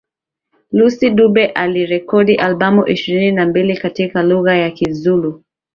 Lucky Dube Alirekodi albamu ishirini na mbili katika lugha ya Kizulu